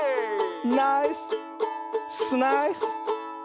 ナイススナイス！